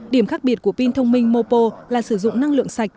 điểm khác biệt của pin thông minh mopo là sử dụng năng lượng sạch